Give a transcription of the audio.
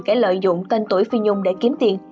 kẻ lợi dụng tên tuổi phi dung để kiếm tiền